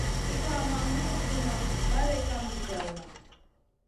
Sigar ma ŋurbiya barey kam zigèwna.